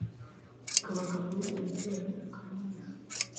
ikabagabaho ibitero ikabarasa